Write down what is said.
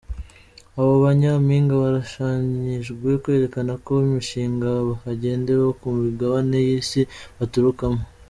Abo ba Nyampinga barushanyijwe kwerekana iyo mishinga hagendewe ku migabane y’isi baturukamo.